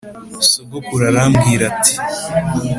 Sogokuru arambwira ati